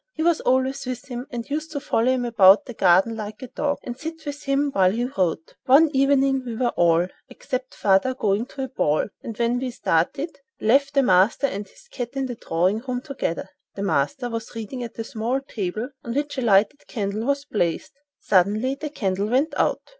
He was always with him, and used to follow him about the garden like a dog, and sit with him while he wrote. One evening we were all, except father, going to a ball, and when we started, left "the master" and his cat in the drawing room together. "The master" was reading at a small table, on which a lighted candle was placed. Suddenly the candle went out.